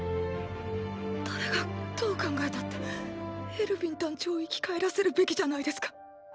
誰がどう考えたってエルヴィン団長を生き返らせるべきじゃないですか